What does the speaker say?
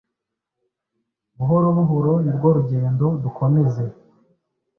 Buhoro buhoro nirwo rugendo dukomeze.